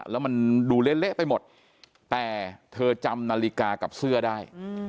แล้วมันดูเละไปหมดแต่เธอจำนาฬิกากับเสื้อได้